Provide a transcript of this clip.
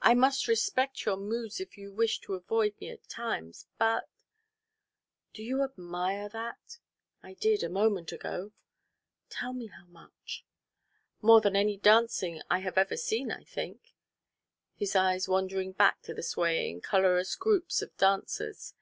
I must respect your moods if you wish to avoid me at times but " "Do you admire that?" "I did a moment ago." "Tell me how much." "More than any dancing I have ever seen, I think," his eyes wandering back to the swaying colorous groups of dancers.